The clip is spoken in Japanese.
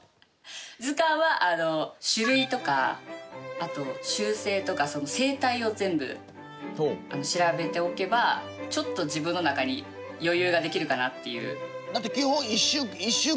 図鑑は種類とかあと習性とか生態を全部調べておけばちょっと自分の中に余裕ができるかなっていう。